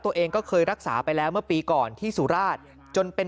ตัวเองก็เคยรักษาไปแล้วเมื่อปีก่อนที่สุราชจนเป็น